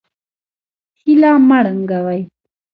هیله مه ړنګوئ